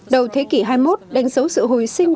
đầu thế kỷ hai mươi một đánh dấu sự hồi sinh